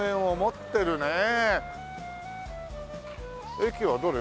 駅はどれ？